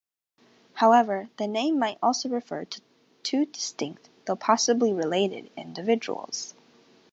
However, the name might also refer to two distinct, though possibly related, individuals.